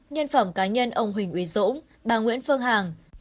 nhân phẩm cá nhân ông huỳnh uy dũng bà nguyễn phương hằng